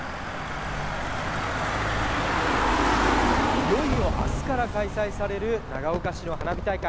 いよいよ明日から開催される長岡市の花火大会。